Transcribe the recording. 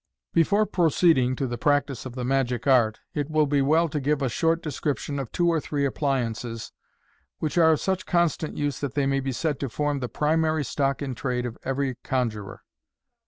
Before proceeding to the practice of the magic art, it will be well to give a short description of two or three appliances, which are of such constant use that they may be said to form the primary stock in trade of every conjuror.